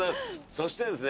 そしてですね